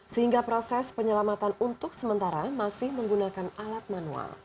sehingga proses penyelamatan untuk sementara masih menggunakan alat manual